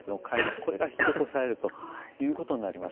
これが引き起こされるということになります。